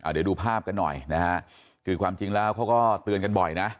เดี๋ยวดูภาพกันหน่อยนะฮะคือความจริงแล้วเขาก็เตือนกันบ่อยนะ